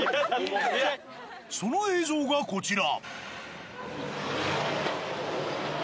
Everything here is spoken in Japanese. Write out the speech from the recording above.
その映像がこちら。